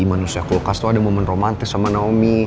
manusia kulkas tuh ada momen romantis sama naomi